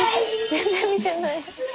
全然見てない。